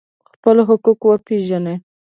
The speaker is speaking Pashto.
خپل حقوق وپیژنئ